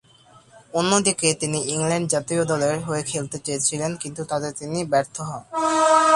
অন্যদিকে, তিনি ইংল্যান্ড জাতীয় দলের হয়ে খেলতে চেয়েছিলেন, কিন্তু তাতে তিনি ব্যর্থ হন।